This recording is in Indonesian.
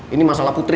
ini masalah putri